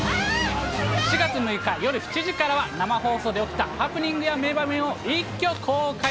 ４月６日夜７時からは、生放送で起きたハプニングや名場面を一挙公開。